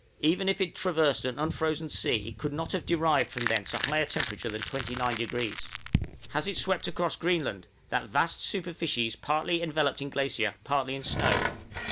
Even if it traversed an unfrozen sea it could not have derived from thence a higher temperature than 29°. Has it swept across Greenland that vast superficies partly enveloped in glacier, partly in snow?